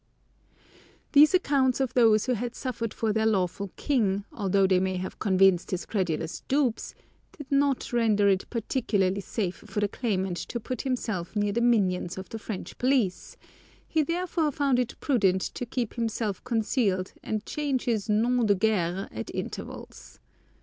These accounts of those who had suffered for their lawful king, although they may have convinced his credulous dupes, did not render it particularly safe for the claimant to put himself near the minions of the French police; he therefore found it prudent to keep himself concealed, and change his noms de guerre at intervals.